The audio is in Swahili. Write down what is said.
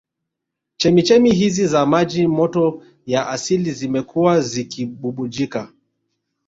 Chemchemi hizi za maji moto ya asili zimekuwa zikibubujika